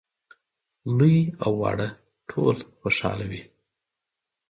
لوی او واړه ټول خوشاله وي.